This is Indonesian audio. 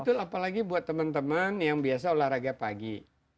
betul apalagi buat teman teman yang biasa olahraga pagi